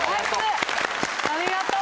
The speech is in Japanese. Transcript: ありがとう。